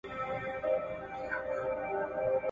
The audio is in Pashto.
موږ چي ول ګلان به په ګلدان کي وي باره په چمن کي ول